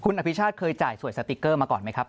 คุณอภิชาติเคยจ่ายสวยสติ๊กเกอร์มาก่อนไหมครับ